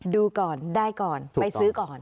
ดูก่อนได้ก่อนไปซื้อก่อน